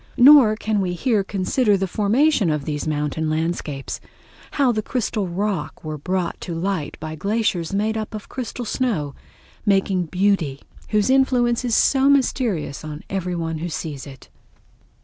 Nor can we here consider the formation of these mountain landscapes—how the crystal rock were brought to light by glaciers made up of crystal snow, making beauty whose influence is so mysterious on every one who sees it.